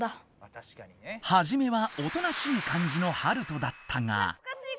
はじめはおとなしい感じのハルトだったが。